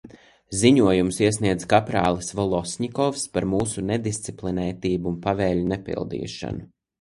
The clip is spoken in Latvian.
Ziņojumus iesniedza kaprālis Volosņikovs par mūsu nedisciplinētību un pavēļu nepildīšanu.